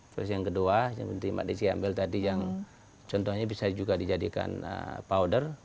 terus yang kedua seperti mbak desi ambil tadi yang contohnya bisa juga dijadikan powder